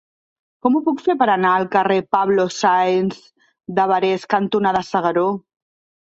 Com ho puc fer per anar al carrer Pablo Sáenz de Barés cantonada S'Agaró?